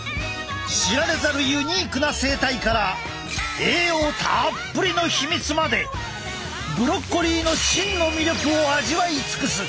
知られざるユニークな生態から栄養たっぷりの秘密までブロッコリーの真の魅力を味わい尽くす！